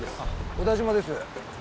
小田島です。